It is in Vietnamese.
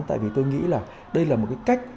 tại vì tôi nghĩ là đây là một cái cách